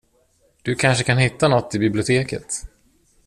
Du kanske kan hitta något i biblioteket.